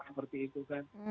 seperti itu kan